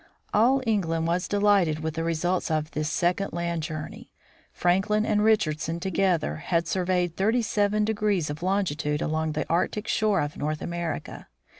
All England was delighted with the results of this second land journey. Franklin and Richardson together had surveyed 37 of longitude along the Arctic shore of North America.